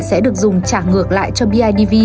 sẽ được dùng trả ngược lại cho bidv